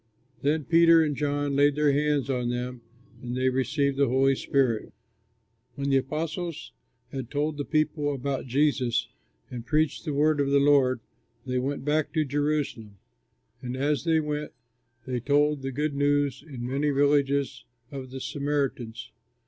Then Peter and John laid their hands on them, and they received the Holy Spirit. When the apostles had told the people about Jesus and preached the word of the Lord, they went back to Jerusalem; and as they went, they told the good news in many villages of the Samaritans.